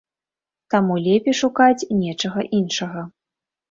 Таму лепей шукаць нечага іншага.